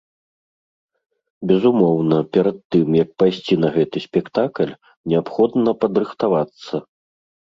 Безумоўна, перад тым, як пайсці на гэты спектакль, неабходна падрыхтавацца.